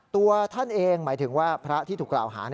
ตัวท่านเองหมายถึงว่าพระที่ถูกกล่าวหา